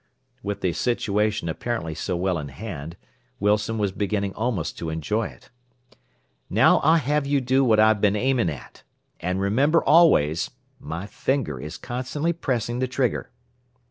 '" With the situation apparently so well in hand, Wilson was beginning almost to enjoy it. "Now I'll have you do what I've been aiming at. And remember always my finger is constantly pressing the trigger!"